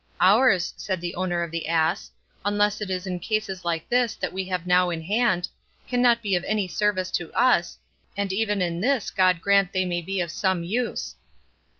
'Ours,' said the owner of the ass, 'unless it is in cases like this we have now in hand, cannot be of any service to us, and even in this God grant they may be of some use.